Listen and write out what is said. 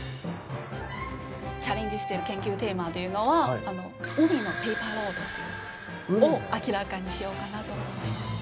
チャレンジしている研究テーマというのは海のペーパーロードというのを明らかにしようかなと思ってます。